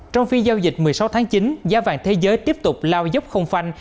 trong phiên giao dịch một mươi sáu tháng chín giá vàng thế giới tiếp tục lao dốc không phanh